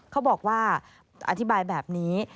เขาบอกว่าอธิบายแบบนี้